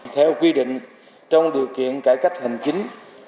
theo quy định trong điều kiện cải cách hành chính